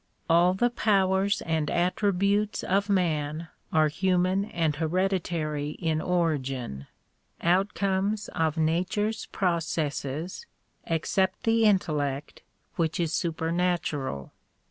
All the powers and attributes of man are human and hereditary in origin, outcomes of nature's processes, except the intellect, which is super natural.